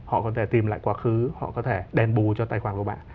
họ có thể tìm lại quá khứ họ có thể đền bù cho tài khoản của bạn